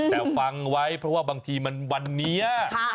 แต่ฟังไว้เพราะว่าบางทีมันวันนี้